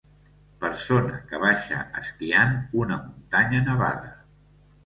Persona que baixa esquiant una muntanya nevada.